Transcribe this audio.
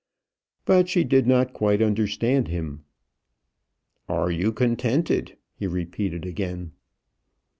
But she did not quite understand him. "Are you contented?" he repeated again.